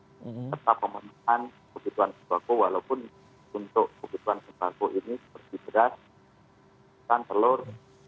serta pemenuhan kebutuhan sebagu walaupun untuk kebutuhan sebagu ini seperti beras telur